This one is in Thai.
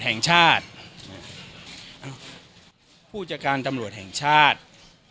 แห่งชาติอ้าวผู้จัดการตำรวจแห่งชาติ